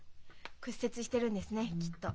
屈折してるんですねきっと。